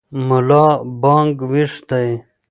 ملا بانګ ویښ دی.